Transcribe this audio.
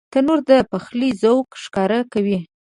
تنور د پخلي ذوق ښکاره کوي